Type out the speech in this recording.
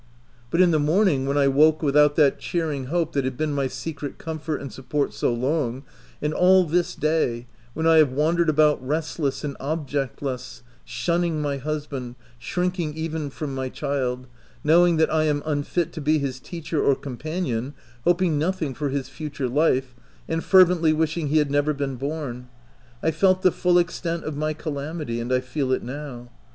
But in the OF WILDFELL HALL. 67 morning, when I woke without that cheering hope that had been my secret comfort and sup port so long, and all this day, when I have wandered about restless and objectless, shun ning my husband, shrinking even from my child — knowing that I am unfit to be his teacher or companion, hoping nothing for his future life, and fervently wishing he had never been born — I felt the full extent of my calamity — and I feel it now.